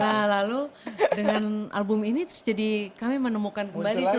nah lalu dengan album ini terus jadi kami menemukan kembali tuh